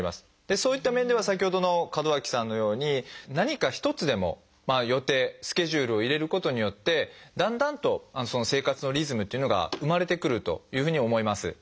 そういった面では先ほどの門脇さんのように何か１つでも予定スケジュールを入れることによってだんだんと生活のリズムというのが生まれてくるというふうに思います。